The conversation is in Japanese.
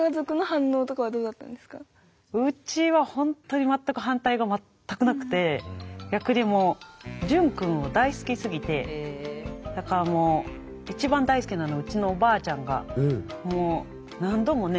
うちはほんとにまったく逆にもう潤くんを大好きすぎてだからもういちばん大好きなのはうちのおばあちゃんがもう何度もね